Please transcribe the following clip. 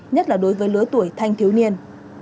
nhất là đối với lứa tuổi thanh thiếu niên